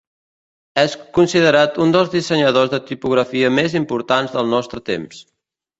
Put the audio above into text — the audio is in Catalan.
És considerat un dels dissenyadors de tipografia més importants del nostre temps.